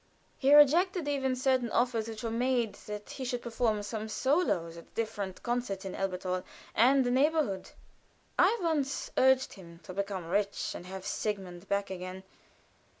He rejected even certain offers which were made that he should perform some solos at different concerts in Elberthal and the neighborhood. I once urged him to become rich and have Sigmund back again.